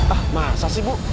ah masa sih bu